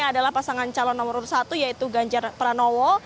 adalah pasangan calon nomor urut satu yaitu ganjar pranowo